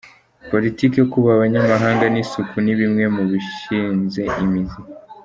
Politiki yo kubaha amanyamahanga n’isuku ni bimwe mu bishinze imizi.